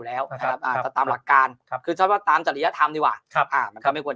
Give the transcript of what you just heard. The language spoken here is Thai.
แล้วนะครับตามหลักการคือฉันว่าตามจริยธรรมดีกว่ามันก็ไม่ควร